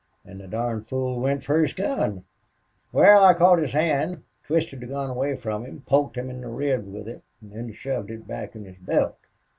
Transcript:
An' the darned fool went fer his gun!... Wal, I caught his hand, twisted the gun away from him, poked him in the ribs with it, an' then shoved it back in his belt.